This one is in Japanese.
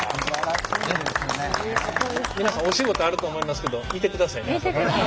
皆さんお仕事あると思いますけど見てくださいね。